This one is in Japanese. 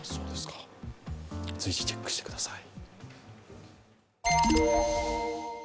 随時チェックしてください。